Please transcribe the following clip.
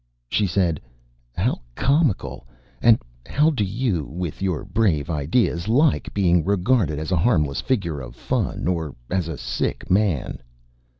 She said, "How comical! And how do you, with your brave ideas, like being regarded as a harmless figure of fun, or as a sick man?"